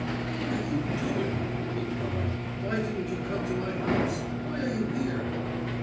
"What are you doing?" he cried. "Why didn't you come to my house? Why are you here?"